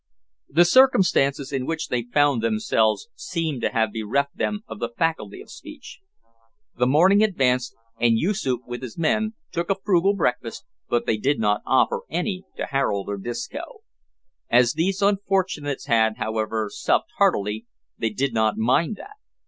The circumstances in which they found themselves seemed to have bereft them of the faculty of speech. The morning advanced, and Yoosoof with his men, took a frugal breakfast, but they did not offer any to Harold or Disco. As these unfortunates had, however, supped heartily, they did not mind that.